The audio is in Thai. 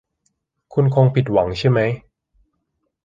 คุณคงผิดหวังใช่ไหม